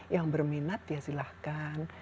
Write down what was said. yang berminat ya silahkan